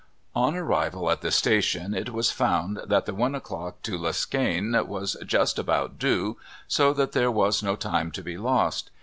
On arrival at the station it was found that the one o'clock to Liskane was "just about due," so that there was no time to be lost.